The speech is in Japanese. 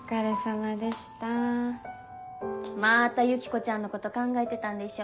またユキコちゃんのこと考えてたんでしょ？